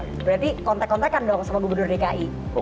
berarti kontak kontakan dong sama gubernur dki